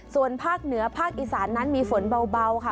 ส่วนภาคเหนือภาคอีสานนั้นมีฝนเบาค่ะ